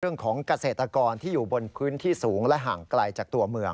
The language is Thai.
เรื่องของเกษตรกรที่อยู่บนพื้นที่สูงและห่างไกลจากตัวเมือง